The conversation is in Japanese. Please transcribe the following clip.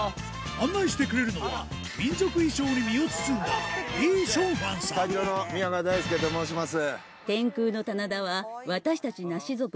案内してくれるのは民族衣装に身を包んだ隊長の宮川大輔と申します。